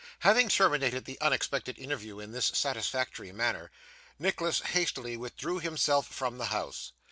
Having terminated the unexpected interview in this satisfactory manner, Nicholas hastily withdrew himself from the house.